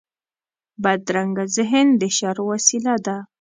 بدرنګه ذهن د شر وسيله ده